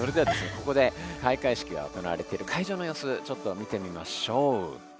ここで開会式が行われている会場の様子ちょっと見てみましょう。